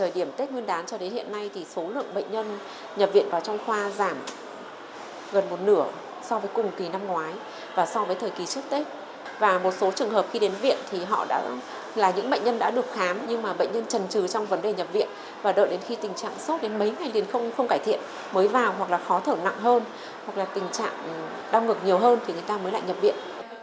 là những bệnh nhân đã được khám nhưng mà bệnh nhân trần trừ trong vấn đề nhập viện và đợi đến khi tình trạng sốt đến mấy ngày liền không cải thiện mới vào hoặc là khó thở nặng hơn hoặc là tình trạng đau ngực nhiều hơn thì người ta mới lại nhập viện